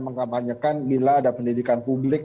mengkampanyekan bila ada pendidikan publik